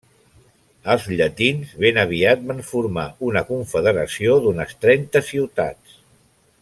Els llatins ben aviat van formar una confederació d'unes trenta ciutats.